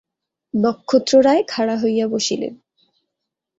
নক্ষত্ররায় খাড়া হইয়া বসিলেন।